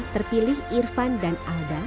terpilih irvan dan alda